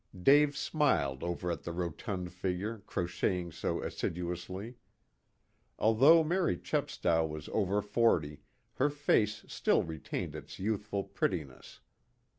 Dave smiled over at the rotund figure crocheting so assiduously. Although Mary Chepstow was over forty her face still retained its youthful prettiness.